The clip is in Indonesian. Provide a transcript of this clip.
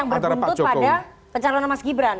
penjelasan titik pisah yang berbentuk pada pencarian mas gibran